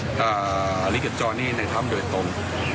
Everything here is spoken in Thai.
นักดำน้ำอริกจรณี่ในถ้ำโดยตรง